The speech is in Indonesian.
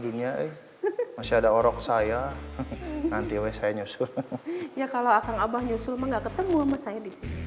dunia ini masih ada orang saya nanti saya nyusul ya kalau akan abah nyusul mengaketkan buah saya